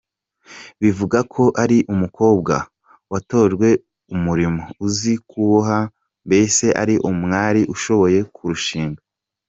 Bivuga ko ari umukobwa watojwe umurimo, uzi kuboha mbese ari umwari ushoboye kurushinga.